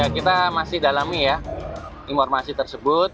kita masih dalami ya informasi tersebut